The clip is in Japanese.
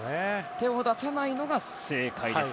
手を出さないのが正解ですか